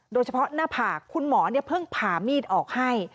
โดยเฉพาะหน้าผากคุณหมอเพิ่งผ่ามีดออกให้